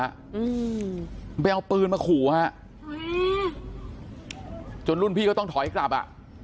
มิกมิทิ่ยิงไปเอาปืนมาขู่อ่ะจนรุ่นพี่ท่องท้อยกลับอ่ะ